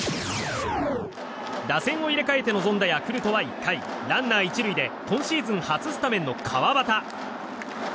打線を入れ替えて臨んだヤクルトは１回ランナー１塁で今シーズン初スタメンの川端。